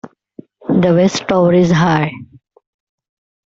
The west tower is high.